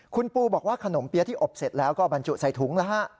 คุณปูบอกว่าขนมเปี๊ยะที่อบเสร็จแล้วก็บรรจุใส่ถุงแล้วฮะ